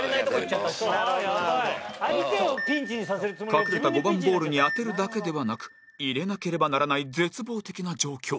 隠れた５番ボールに当てるだけではなく入れなければならない絶望的な状況